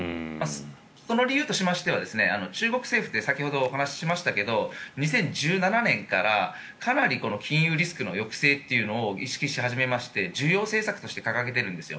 その理由としましては中国政府って先ほどお話ししましたが２０１７年からかなり金融リスクの抑制というのを意識し始めまして重要政策として掲げているんです。